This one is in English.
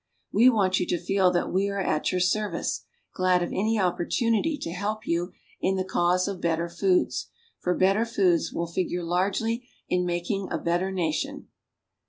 We want you to feel that we are at your ser^'ice, glad of any opportunity t(j help you in the cause of better foods, for better foods will figure largely in making a better nation.